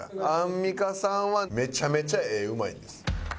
アンミカさんはめちゃめちゃ絵うまいんです。